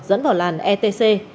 dẫn vào làn etc